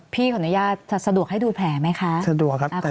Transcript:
ที่ขออนุญาตจะสะดวกให้ดูแผลไหมคะขออนุญาตนะ